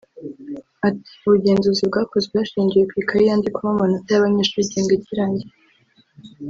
Ati “Ubugenzuzi bwakozwe hashingiwe ku ikaye yandikwamo amanota y’abanyeshuri igihembwe kirangiye